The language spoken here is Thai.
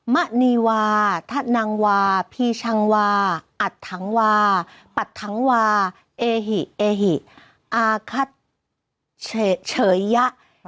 มะนีวาทะนังวาพีชังวาอัดถังวาปัดถังวาเอหิเอหิอาคัทเฉยยะ